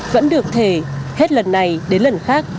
vẫn được thể hết lần này đến lần khác